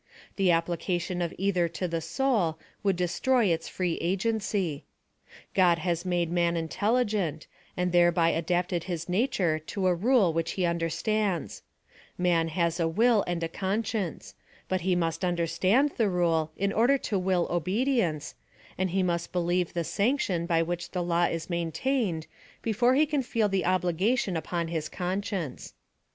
The application of either to the soul would destroy its free agency God has made man intelligent, and thereby adapted his nature to a rule which he understands, — Man has a will and a conscience : but he must under stand the rule in order to will obedience, and he must believe the sanction by which the law is main tained, before he can feel the obligation upon his conscience.